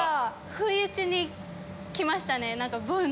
不意打ちに来ましたねボン！